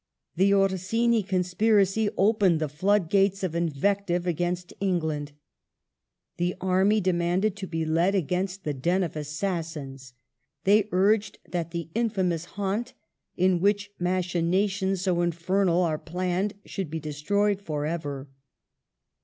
The Oi'sini conspiracy opened the flood gates of invective against England. The army demanded to be led against the den of assassins ; they urged that the infamous haunt in which machinations so infernal are planned should be destroyed for ever